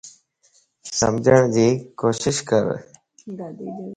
سمجھڙجي ڪوشش ڪر